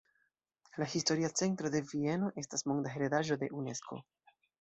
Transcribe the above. La historia centro de Vieno estas monda heredaĵo de Unesko.